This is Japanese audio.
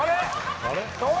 あれ？